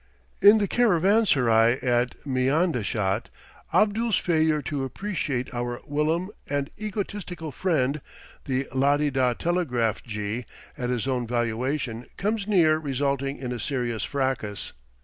In the caravanserai at Miandasht, Abdul's failure to appreciate our whilom and egotistical friend, the la de da telegraph jee, at his own valuation comes near resulting in a serious fracas.